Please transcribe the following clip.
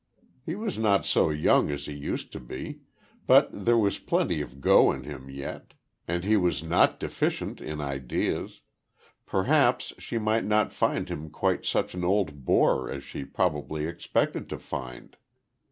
He was not so young as he used to be, but there was plenty of "go" in him yet, and he was not deficient in ideas; perhaps she might not find him quite such an old bore as she probably expected to find.